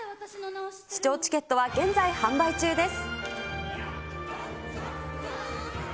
視聴チケットは現在販売中です。